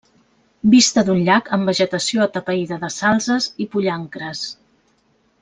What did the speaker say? Vista d'un llac amb vegetació atapeïda de salzes i pollancres.